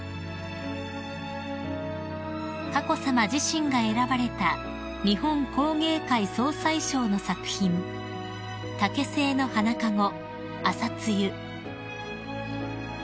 ［佳子さま自身が選ばれた日本工芸会総裁賞の作品竹製の花籠『朝露』］